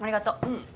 うん